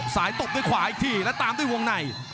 ตบด้วยขวาอีกทีแล้วตามด้วยวงใน